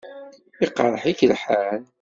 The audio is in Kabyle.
Iqṛeḥ-ik lḥal?